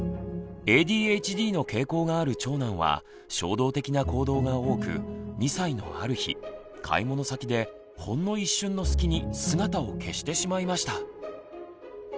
ＡＤＨＤの傾向がある長男は衝動的な行動が多く２歳のある日買い物先でほんの一瞬のすきに姿を消してしまいました。